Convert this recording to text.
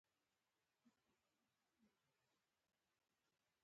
نظام الدین شامي وايي تیمور ورته وویل.